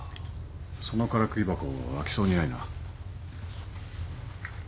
そのからくり箱開きそうにないな。